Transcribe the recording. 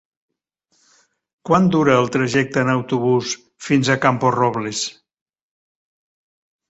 Quant dura el trajecte en autobús fins a Camporrobles?